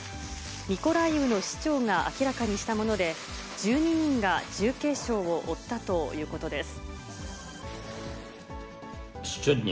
ミコライウの市長が明らかにしたもので、１２人が重軽傷を負ったということです。